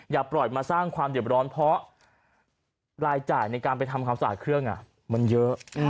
อย่าปล่อยมาสร้างความเด็บร้อนเพราะรายจ่ายในการไปทำความสะอาดเครื่องมันเยอะ